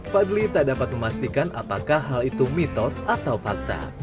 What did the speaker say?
fadli tak dapat memastikan apakah hal itu mitos atau fakta